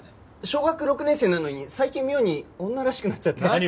小学６年生なのに最近妙に女らしくなっちゃって。